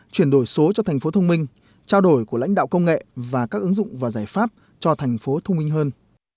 chuyển đổi số cho thành phố thông minh trao đổi của lãnh đạo công nghệ và các ứng dụng và giải pháp cho thành phố thông minh hơn